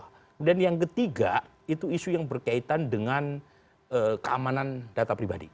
kemudian yang ketiga itu isu yang berkaitan dengan keamanan data pribadi